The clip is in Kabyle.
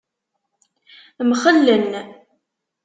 Mxellen.